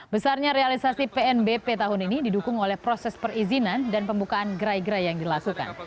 besarnya realisasi pnbp tahun ini didukung oleh proses perizinan dan pembukaan gerai gerai yang dilakukan